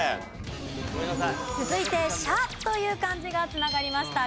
続いて「社」という漢字が繋がりました。